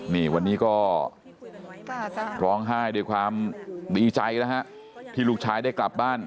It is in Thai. นี่วันนี้ก็ร้องไห้ด้วยความดีใจแล้วฮะที่ลูกชายได้กลับบ้าน